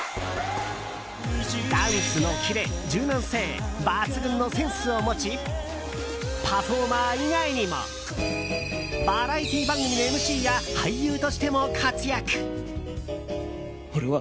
ダンスのキレ、柔軟性抜群のセンスを持ちパフォーマー以外にもバラエティー番組のＭＣや俳優としても活躍。